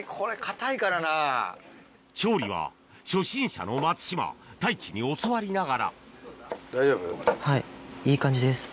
調理は初心者の松島太一に教わりながらはい。